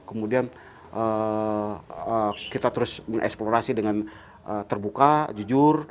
kemudian kita terus mengeksplorasi dengan terbuka jujur